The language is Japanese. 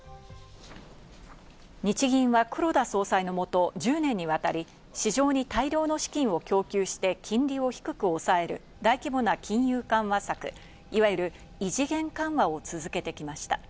日銀は黒田総裁のもと、１０年にわたり市場に大量の資金を供給して金利を低く抑える大規模な金融緩和策、いわゆる異次元緩和を続けてきました。